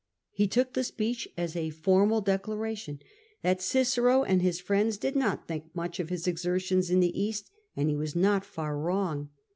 He took the speech as a formal declaration that Cicero and his friends did not think much of his exertions in the East, and he was not far wrong.